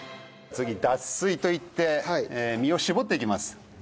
次脱水といって身を絞っていきます。